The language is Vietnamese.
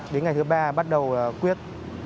đến ngày thứ ba bắt đầu quyết